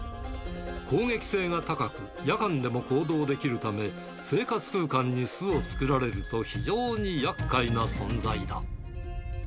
攻撃性が高く、夜間でも行動できるため、生活空間に巣を作られると非常にやっかいな存在だ。